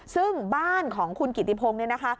ซึ่งบ้านของพี่กิตติพงค์เนี่ย